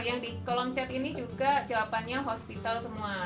yang di kolom chat ini juga jawabannya hospital semua